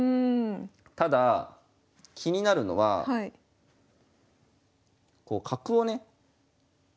ただ気になるのはこう角をね